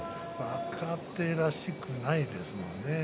若手らしくないですよね。